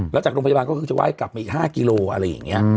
แล้วจากโรงพยาบาลก็คือจะไห้กลับมาอีก๕กิโลอะไรอย่างนี้